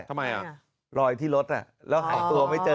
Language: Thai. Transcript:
ทำไมหรือไงลอยที่รถน่ะแล้วแขลวตัวไม่เจอ